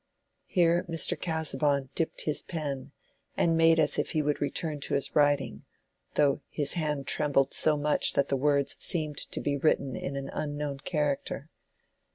Here Mr. Casaubon dipped his pen and made as if he would return to his writing, though his hand trembled so much that the words seemed to be written in an unknown character.